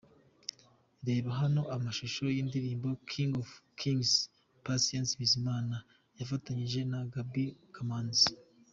Reba hano amashusho y'indirimbo'King of Kings'Patient Bizimana yafatanyije na Gaby Kamanzi.